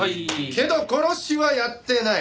けど殺しはやってない。